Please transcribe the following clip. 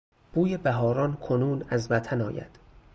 بوی بهاران کنون از وطن آید